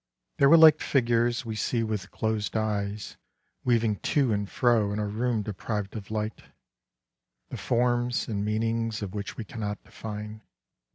They were like figures we see with closed eyes, weaving to an fro in a room deprived of light, the forms and meanings of which we cannot define.